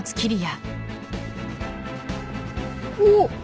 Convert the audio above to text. おっ！